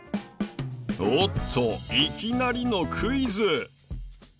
おっといきなりのクイズ。